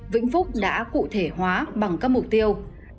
vĩnh phúc đã cụ thể hóa bằng các mục tiêu